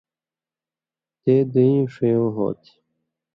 تے (دُوئیں) ݜیُو ہو تھی،